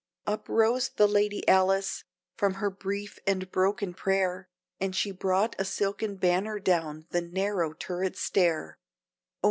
Up rose the Lady Alice, from her brief and broken prayer, And she brought a silken banner down the narrow turret stair, Oh!